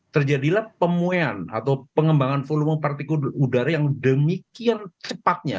terjadilah pemuean atau pengembangan volume partikul udara yang demikian cepatnya